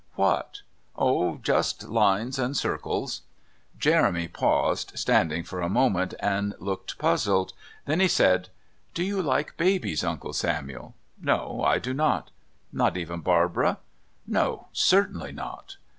"What?" "Oh, just lines and circles." Jeremy paused, standing for a moment, and looked puzzled. Then he said: "Do you like babies, Uncle Samuel?" "No, I do not." "Not even Barbara?" "No certainly not."